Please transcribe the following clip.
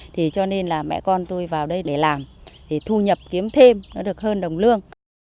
thì cho nên là mẹ con tôi vào đây để làm thì thu nhập kiếm thêm nó được hơn đồng lương